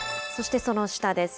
そしてその下です。